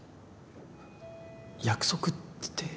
約束って？